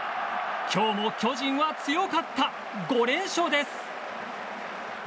今日も巨人は強かった５連勝です！